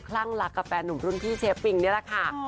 ลั่งรักกับแฟนหนุ่มรุ่นพี่เชฟปิงนี่แหละค่ะ